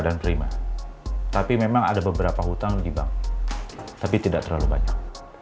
dan terima tapi memang ada beberapa hutang di bank tapi tidak terlalu banyak